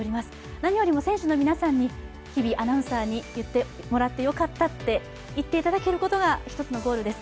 何よりも選手の皆さんに日比アナウンサーに言ってもらってよかったって言っていただけることが１つのゴールです。